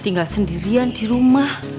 tinggal sendirian di rumah